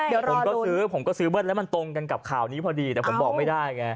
จริงหรอผมก็ซื้อเบิ้ลแล้วมันตรงกันกับข่าวนี้พอดีแต่ผมบอกไม่ได้ไง